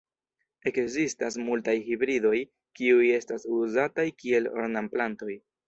Ekzistas multaj hibridoj, kiuj estas uzataj kiel ornamplantoj.